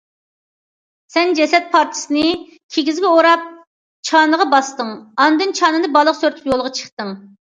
سەن جەسەت پارچىسىنى كىگىزگە ئوراپ چانىغا باستىڭ، ئاندىن چانىنى بالىغا سۆرىتىپ يولغا چىقتىڭ.